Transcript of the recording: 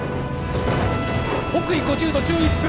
「北緯５０度１１分」